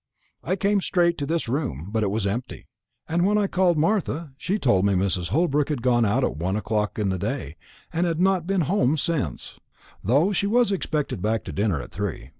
I came straight to this room, but it was empty; and when I called Martha, she told me Mrs. Holbrook had gone out at one o'clock in the day, and had not been home since, though she was expected back to dinner at three.